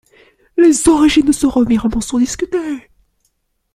Les origines de ce revirement sont discutées.